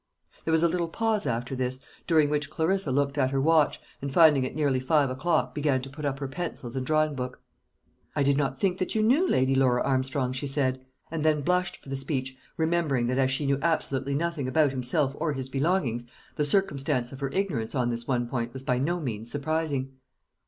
There was a little pause after this, during which Clarissa looked at her watch, and finding it nearly five o'clock, began to put up her pencils and drawing book. "I did not think that you knew Lady Laura Armstrong," she said; and then blushed for the speech, remembering that, as she knew absolutely nothing about himself or his belongings, the circumstance of her ignorance on this one point was by no means surprising.